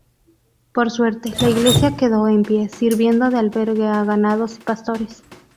Por suerte, la iglesia quedó en pie, sirviendo de albergue a ganados y pastores.